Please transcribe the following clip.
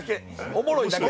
おもろいだけ。